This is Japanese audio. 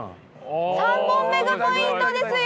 ３本目がポイントですよ！